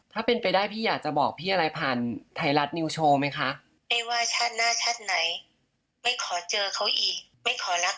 ถ้าเป็นไปได้พี่อยากจะบอกพี่อะไรผ่านไทยรัฐนิวโชว์ไหมคะ